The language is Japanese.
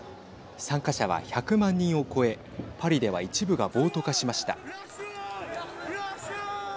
参加者は１００万人を超えパリでは一部が暴徒化しました。